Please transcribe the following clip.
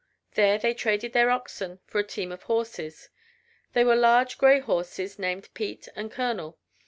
There they traded their oxen for a team of horses. They were large gray horses named Pete and Colonel.